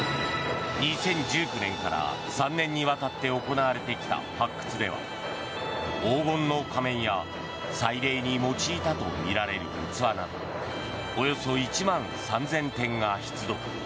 ２０１９年から３年にわたって行われてきた発掘では黄金の仮面や祭礼に用いたとみられる器などおよそ１万３０００点が出土。